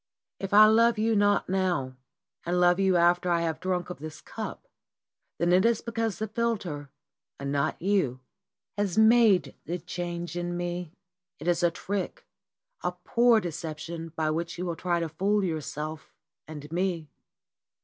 "If I love you not now and love you after I have drunk of this cup, then it is because the philter and not you has made the change in me. It is a trick, a poor deception by which you will try to fool yourself and me."